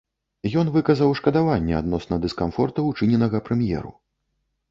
Ён выказаў шкадаванне адносна дыскамфорта, учыненага прэм'еру.